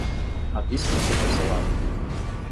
À vista ou parcelado?